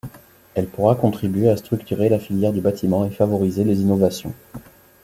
Elle pourra contribuer à structurer la filière du bâtiment et favoriser les innovations.